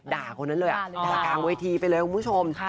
ด่าคนนั้นเลยอ่ะด่ากลางวิธีไปเลยครับคุณผู้ชม